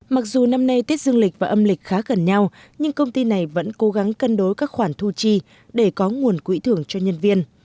mặc dù năm nay tết dương lịch và âm lịch khá gần nhau nhưng công ty này vẫn cố gắng cân đối các khoản thu chi để có nguồn quỹ thưởng cho nhân viên